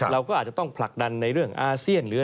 ในการมือกันในเรื่องอาเซียน